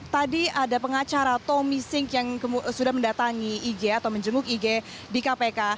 tadi ada pengacara tommy sink yang sudah mendatangi ig atau menjenguk ig di kpk